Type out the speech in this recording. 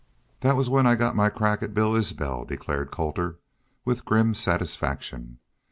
"That was when I got my crack at Bill Isbel," declared Colter, with grim satisfaction.